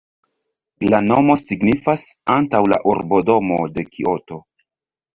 La nomo signifas "antaŭ la urbodomo de Kioto".